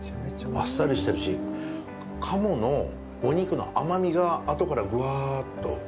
あっさりしてるし鴨のお肉の甘みが、後からぐわっと。